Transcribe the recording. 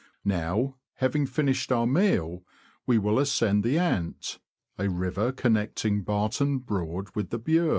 Now, having finished our meal, we will ascend the Ant, a river connecting Barton Broad with the Bure.